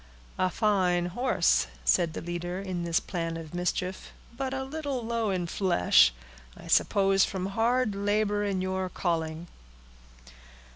"A fine horse!" said the leader in this plan of mischief; "but a little low in flesh. I suppose from hard labor in your calling."